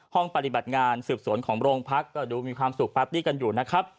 ห้องปฏิบัติงานสืบสวนของโรงพักก็ดูมีความสุขปาร์ตี้กันอยู่นะครับ